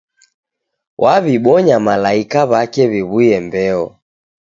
W'aw'ibonya malaika w'ake w'iw'uye mbeo.